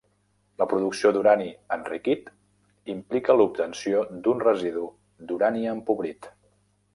La producció d'urani enriquit implica l'obtenció d'un residu d'urani empobrit.